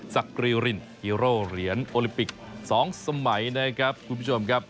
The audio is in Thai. สักกรีรินฮีโร่เหรียญโอลิมปิก๒สมัยนะครับคุณผู้ชมครับ